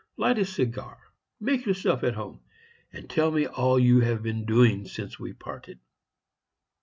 Light a cigar, make yourself at home, and tell me all you have been doing since we parted."